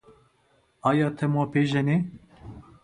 ایا ته ما پېژنې؟